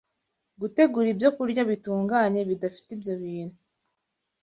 gutegura ibyokurya bitunganye bidafite ibyo bintu